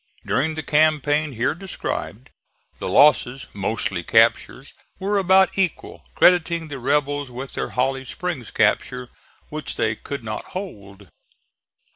During the campaign here described, the losses (mostly captures) were about equal, crediting the rebels with their Holly Springs capture, which they could not hold.